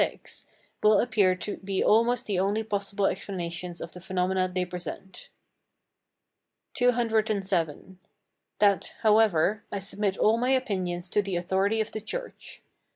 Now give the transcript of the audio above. ], will appear to be almost the only possible explanations of the phenomena they present. CCVII. That, however, I submit all my opinions to the authority of the church.